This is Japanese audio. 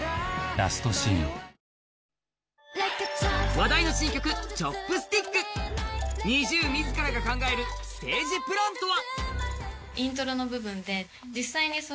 話題の新曲「Ｃｈｏｐｓｔｉｃｋ」ＮｉｚｉＵ自らが考えるステージプランとは？